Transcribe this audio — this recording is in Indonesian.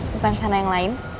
bukan karena yang lain